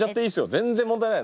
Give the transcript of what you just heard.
全然問題ない。